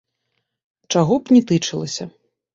Чаго б ні тычылася.